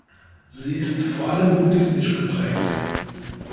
Sie ist vor allem buddhistisch geprägt.